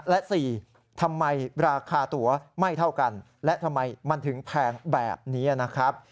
และ๔ทำไมราคาตัวไม่เท่ากันและทำไมมันถึงแพงแบบนี้นะครับ